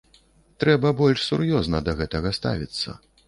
Трэба больш сур'ёзна да гэтага ставіцца.